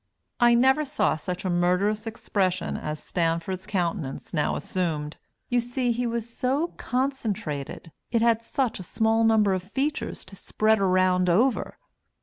I never saw such a murderous expression as Stanford's countenance now assumed; you see it was so concentrated it had such a small number of features to spread around over.